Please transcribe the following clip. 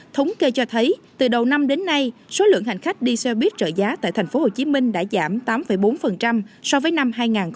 thống kê cho thấy từ đầu năm đến nay số lượng hành khách đi xe buýt trợ giá tại tp hcm đã giảm tám bốn so với năm hai nghìn một mươi tám